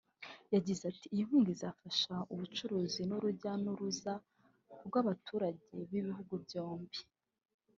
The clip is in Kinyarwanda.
yagize ati “ Iyi nkunga izafasha ubucuruzi n’urujya n’uruza rw’abaturage b’ibihugu byombi